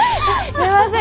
すいません